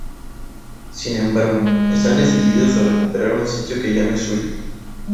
Sin embargo, están decididos a recuperar un sitio que ya no es suyo.